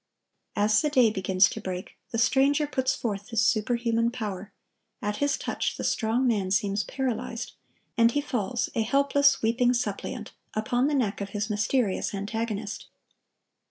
As the day begins to break, the stranger puts forth his superhuman power: at his touch the strong man seems paralyzed, and he falls, a helpless, weeping suppliant, upon the neck of his mysterious antagonist.